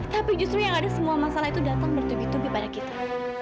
tapi justru yang ada semua masalah itu datang bertubi tubi pada kita